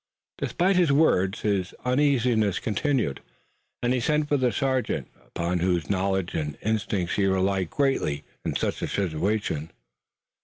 Despite his words, his uneasiness continued and he sent for the sergeant, upon whose knowledge and instincts he relied greatly in such a situation.